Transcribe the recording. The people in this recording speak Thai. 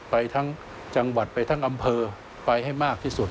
ไปทั้งจังหวัดไปทั้งอำเภอไปให้มากที่สุด